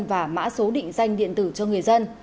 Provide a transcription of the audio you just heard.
và mã số định danh điện tử cho người dân